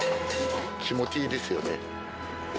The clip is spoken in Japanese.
気持ちいいですよね。